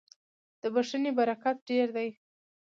• د بښنې برکت ډېر دی.